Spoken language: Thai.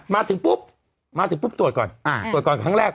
มาถึงปุ๊บมาถึงปุ๊บตรวจก่อนตรวจก่อนครั้งแรก